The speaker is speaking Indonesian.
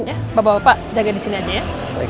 ya bapak bapak jaga di sini aja ya